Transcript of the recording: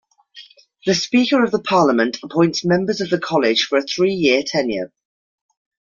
The Speaker of the Parliament appoints members of the College for a three-year tenure.